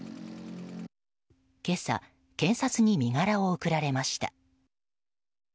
今朝、検察に身柄を送られました。